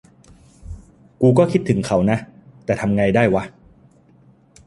กูก็คิดถึงเขานะ แต่ทำไงได้วะ